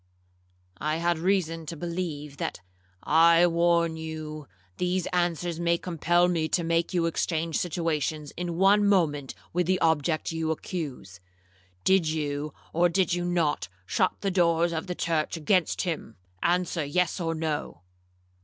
'—'I had reason to believe that—' 'I warn you, these answers may compel me to make you exchange situations in one moment with the object you accuse. Did you, or did you not shut the doors of the church against him?—answer yes or no.'